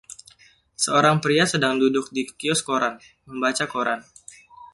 Seorang pria sedang duduk di kios koran, membaca koran